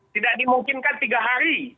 tidak dimungkinkan tiga hari